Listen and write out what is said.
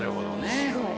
すごい。